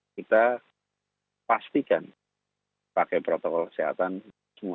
kita pastikan pakai protokol kesehatan semua